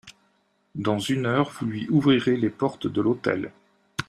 Dans une heure, vous lui ouvrirez les portes de l'hôtel.